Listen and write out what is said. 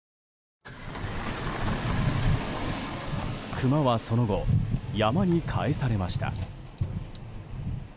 クマはその後山に返されました。